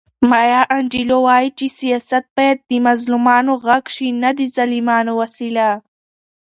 مایا انجیلو وایي چې سیاست باید د مظلومانو غږ شي نه د ظالمانو وسیله.